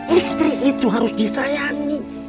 istri itu harus disayangi